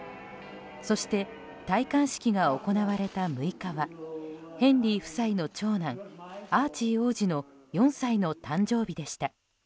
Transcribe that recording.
そして戴冠式が行われた６日はヘンリー夫妻の長男アーチー王子の４歳の誕生日でした。